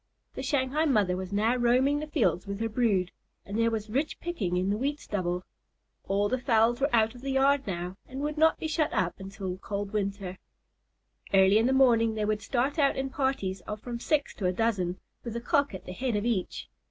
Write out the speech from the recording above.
The Shanghai mother was now roaming the fields with her brood, and there was rich picking in the wheat stubble. All the fowls were out of the yard now, and would not be shut up until cold weather. Early in the morning they would start out in parties of from six to a dozen, with a Cock at the head of each.